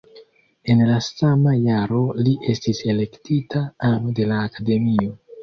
En la sama jaro li estis elektita ano de la Akademio.